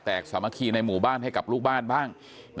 สามัคคีในหมู่บ้านให้กับลูกบ้านบ้าง